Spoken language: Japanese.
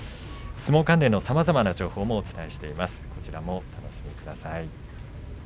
相撲関連のさまざまな情報もお伝えしています。